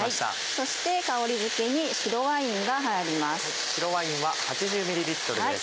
そして香りづけに白ワインが入ります。